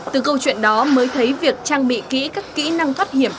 từ câu chuyện đó mới thấy việc trang bị kỹ các kỹ năng thoát hiểm